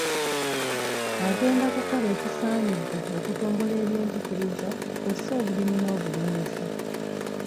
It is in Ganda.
Agenda kukola ekisaanidde okutumbula ebyenjigiriza kw’ossa obulimi n’obulunzi.